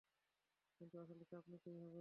কিন্তু আসলে চাপ নিতেই হবে।